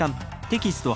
テキスト８